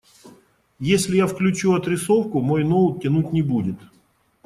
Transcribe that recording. Если я включу отрисовку, мой ноут тянуть не будет.